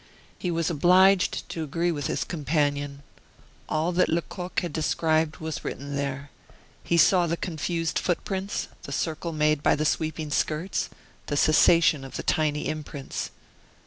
He was obliged to agree with his companion. All that Lecoq had described was written there; he saw the confused footprints, the circle made by the sweeping skirts, the cessation of the tiny imprints.